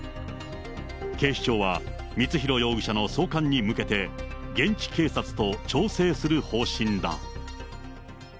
警視庁は、光弘容疑者の送還に向けて、現地警察と調整する方針だ。